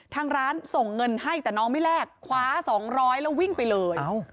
ทางร้านส่งเงินให้แต่น้องไม่แลกคว้า๒๐๐แล้ววิ่งไปเลย